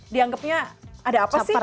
dianggapnya ada apa sih